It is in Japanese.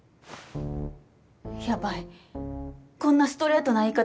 ヤバいこんなストレートな言い方